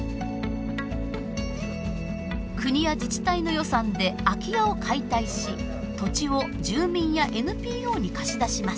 国や自治体の予算で空き家を解体し土地を住民やＮＰＯに貸し出します。